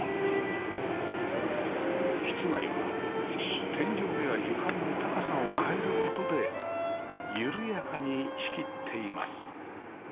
室内は天井や床の高さを変える事で緩やかに仕切っています